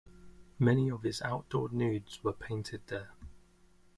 Many of his outdoor nudes were painted there.